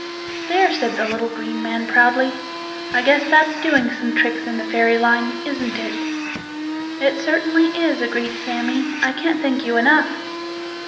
"There," said the little green man proudly, "I guess that's doing some tricks in the fairy line, isn't it?" "It certainly is," agreed Sammie, "I can't thank you enough."